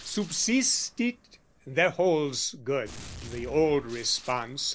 Subsistit, there holds good the old response.